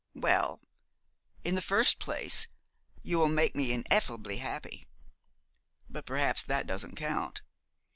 Well, in the first place, you will make me ineffably happy. But perhaps that doesn't count.